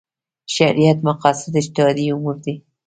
شریعت مقاصد اجتهادي امور دي.